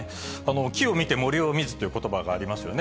木を見て森を見ずということばがありますよね。